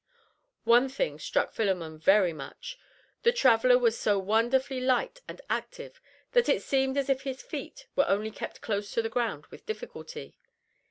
One thing struck Philemon very much, the traveler was so wonderfully light and active that it seemed as if his feet were only kept close to the ground with difficulty.